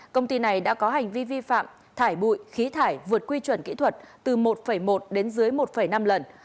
công ty này đã có hành vi vi phạm thải bụi khí thải vượt quy chuẩn kỹ thuật từ một một đến dưới một năm lần